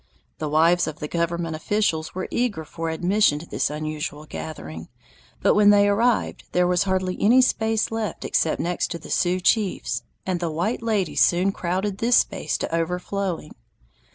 The wives of the government officials were eager for admission to this unusual gathering, but when they arrived there was hardly any space left except next to the Sioux chiefs, and the white ladies soon crowded this space to overflowing.